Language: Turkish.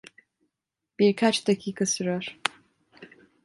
Birkaç dakika sürer.